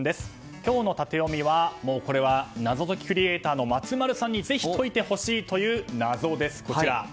今日のタテヨミは謎解きクリエーターの松丸さんにぜひ解いてほしいという謎です。